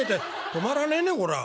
止まらねえねこりゃ」。